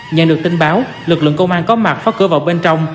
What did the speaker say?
nhận được tin báo lực lượng công an có mặt phá cửa vào bên trong